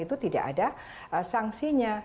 itu tidak ada sangsinya